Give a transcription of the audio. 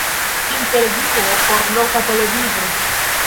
Intervjuo por loka televido.